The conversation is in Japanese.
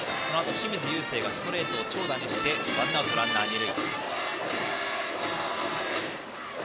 清水友惺がストレートを長打にしてワンアウトランナー、二塁。